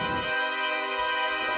kekyak ulang akulah